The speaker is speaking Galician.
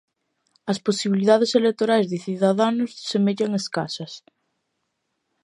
As posibilidades electorais de Ciudadanos semellan escasas.